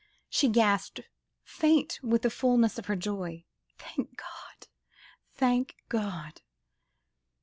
she gasped, faint with the fulness of her joy. "Thank God! Thank God!"